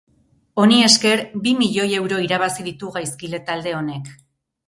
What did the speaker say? Honi esker, bi milioi euro irabazi ditu gaizkile talde honek.